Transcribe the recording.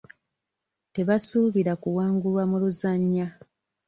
Tebasuubira kuwangulwa mu luzannya.